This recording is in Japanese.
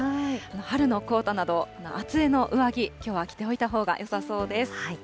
春のコートなど、厚手の上着、きょうは着ておいたほうがよさそうです。